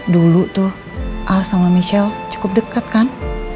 dulu tuh al sama michelle cukup dekat kan